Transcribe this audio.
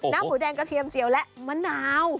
หมูแดงกระเทียมเจียวและมะนาว